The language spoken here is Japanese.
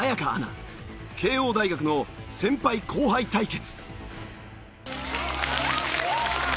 慶應大学の先輩後輩対決。